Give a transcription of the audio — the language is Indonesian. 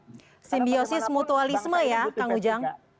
simbiosis mutualisme ya kang ujang